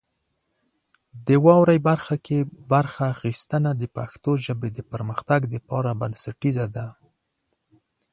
د واورئ برخه کې برخه اخیستنه د پښتو ژبې د پرمختګ لپاره بنسټیزه ده.